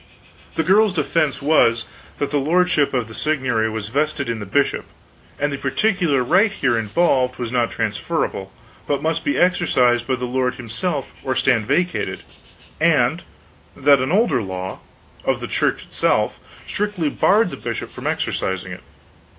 The girl's defense was, that the lordship of the seigniory was vested in the bishop, and the particular right here involved was not transferable, but must be exercised by the lord himself or stand vacated; and that an older law, of the Church itself, strictly barred the bishop from exercising it.